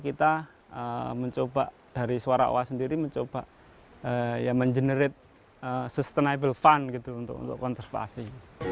kita mencoba dari suara sendiri mencoba yang mengenerate sustainable fun gitu untuk konservasi